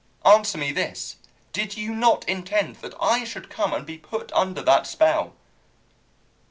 Answer me this: did you not intend that I should come and be put under that spell?"